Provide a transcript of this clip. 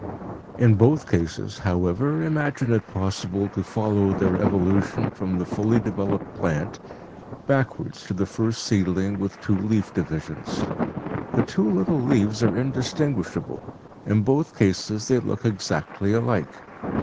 In both cases, however, imagine it possible to follow their evolution from the fully developed plant backwards to the first seedling with two leaf divisions. The two little leaves are indistinguishable, in both cases they look exactly alike.